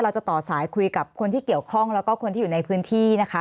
ต่อสายคุยกับคนที่เกี่ยวข้องแล้วก็คนที่อยู่ในพื้นที่นะคะ